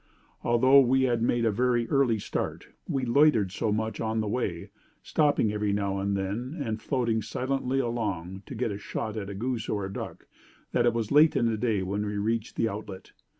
Although we had made a very early start, we loitered so much on the way stopping every now and then, and floating silently along, to get a shot at a goose or a duck that it was late in the day when we reached the outlet.